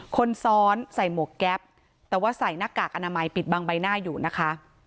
คนซ้อนใส่หมวกแก๊ปแต่ว่าใส่หน้ากากอนามัยปิดบังใบหน้าอยู่นะคะ